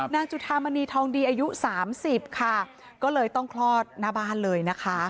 จุธามณีทองดีอายุ๓๐ค่ะก็เลยต้องคลอดหน้าบ้านเลยนะคะ